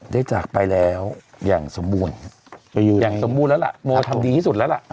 ได้จากไปแล้วอย่างสมบูรณ์อย่างสมบูรณ์แล้วล่ะโมทำดีที่สุดแล้วล่ะ